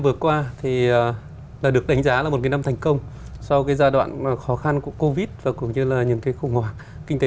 kỷ qua điều này cho thấy tiềm năng của việt nam trong lĩnh vực công nghệ